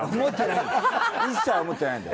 一切思ってないんだよ。